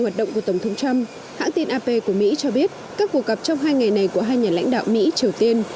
trong cuộc gặp của tổng thống trump hãng tin ap của mỹ cho biết các cuộc gặp trong hai ngày này của hai nhà lãnh đạo mỹ triều tiên